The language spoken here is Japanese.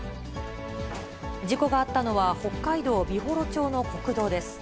事故があったのは、北海道美幌町の国道です。